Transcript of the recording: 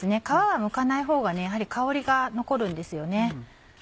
皮はむかないほうがやはり香りが残るんですよね。